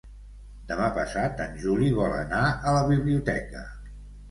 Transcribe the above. Demà passat en Juli vol anar a la biblioteca.